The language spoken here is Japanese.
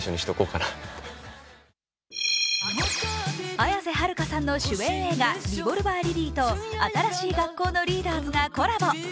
綾瀬はるかさんの主演映画「リボルバー・リリー」と新しい学校のリーダーズがコラボ。